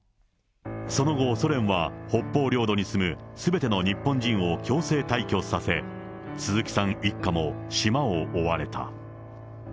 その後、ソ連は北方領土に住むすべての日本人を強制退去させ、鈴木さん一家も島を追われた。